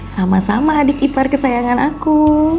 sama sama adik ipar kesayangan aku